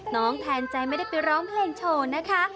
น้องแทนใจไม่ได้ไปร้องเพลงโชว์นะคะ